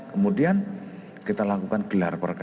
kemudian kita lakukan gelar perkara